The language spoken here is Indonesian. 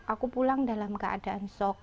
aku pulang dalam keadaan shock